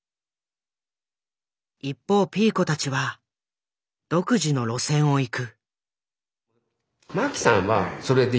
一方ピーコたちは独自の路線を行く。